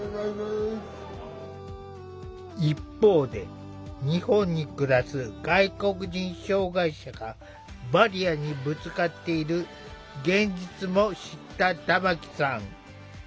一方で日本に暮らす外国人障害者がバリアにぶつかっている現実も知った玉木さん。